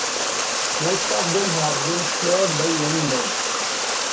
Most of them have been speared by young men.